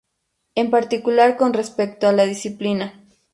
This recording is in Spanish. En particular con respecto a la disciplina.